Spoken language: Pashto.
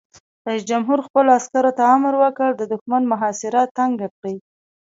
رئیس جمهور خپلو عسکرو ته امر وکړ؛ د دښمن محاصره تنګه کړئ!